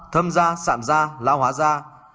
thâm da sạm da lão hóa da